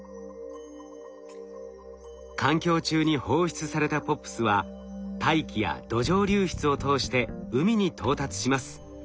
環境中に放出されたＰＯＰｓは大気や土壌流出を通して海に到達します。